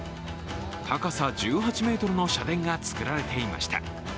高さ１８ｍの社殿が作られていました